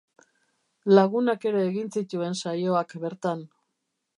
Lagunak ere egin zituen Saioak bertan.